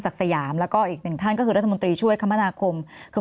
สยามแล้วก็อีกหนึ่งท่านก็คือรัฐมนตรีช่วยคมนาคมคือ